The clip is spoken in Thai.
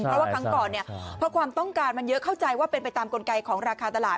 เพราะว่าครั้งก่อนเนี่ยเพราะความต้องการมันเยอะเข้าใจว่าเป็นไปตามกลไกของราคาตลาด